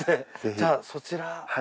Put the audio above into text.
じゃあそちら。